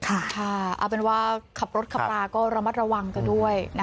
ค่ะเอาเป็นว่าขับรถขับปลาก็ระมัดระวังกันด้วย